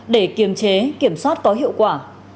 để kiểm chế kiểm soát có hiệu quả